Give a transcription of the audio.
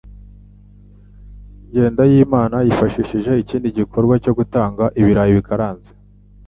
Jyendayimana yifashishije ikindi gikorwa cyo gutanga ibirayi bikaranze.